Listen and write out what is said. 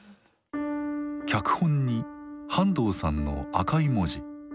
脚本に半藤さんの赤い文字。